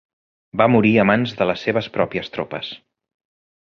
Va morir a mans de les seves pròpies tropes.